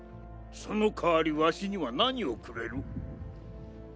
その代わりわしには何をくれる？